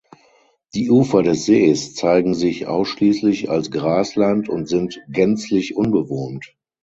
Die Ufer des Sees zeigen sich ausschließlich als Grasland und sind gänzlich unbewohnt.